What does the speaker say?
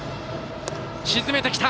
沈めてきた！